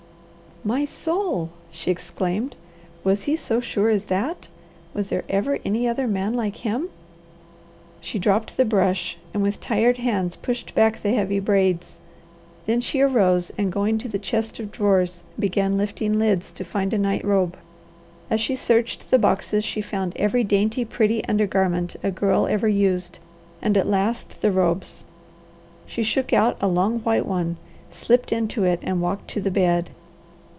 "My soul!" she exclaimed. "WAS HE SO SURE AS THAT? Was there ever any other man like him?" She dropped the brush and with tired hands pushed back the heavy braids. Then she arose and going to the chest of drawers began lifting lids to find a night robe. As she searched the boxes she found every dainty, pretty undergarment a girl ever used and at last the robes. She shook out a long white one, slipped into it, and walked to the bed.